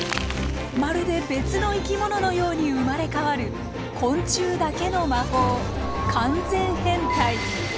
まるで別の生き物のように生まれ変わる昆虫だけの魔法完全変態。